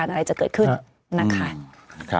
มีสารตั้งต้นเนี่ยคือยาเคเนี่ยใช่ไหมคะ